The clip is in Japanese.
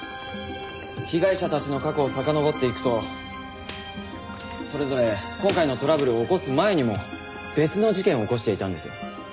被害者たちの過去をさかのぼっていくとそれぞれ今回のトラブルを起こす前にも別の事件を起こしていたんです。